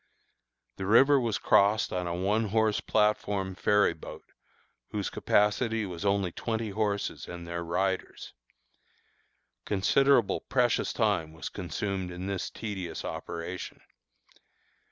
The river was crossed on a one horse platform ferry boat, whose capacity was only twenty horses and their riders. Considerable precious time was consumed in this tedious operation.